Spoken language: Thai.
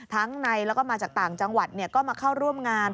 ทั้งในแล้วก็มาจากต่างจังหวัดก็มาเข้าร่วมงาน